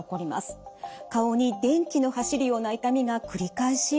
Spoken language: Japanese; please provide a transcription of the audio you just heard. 顔に電気の走るような痛みが繰り返し起こります。